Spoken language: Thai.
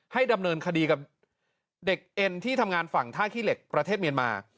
ดำเนินคดีกับเด็กเอ็นที่ทำงานฝั่งท่าขี้เหล็กประเทศเมียนมา